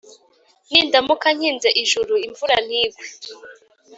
nindamuka nkinze ijuru, imvura ntigwe,